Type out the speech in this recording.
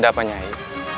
ada apa nyai